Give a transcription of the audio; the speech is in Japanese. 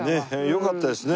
よかったですね。